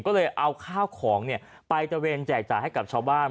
ก็เลยเอาข้าวของไปตะเวนแจกจ่ายให้กับชาวบ้าน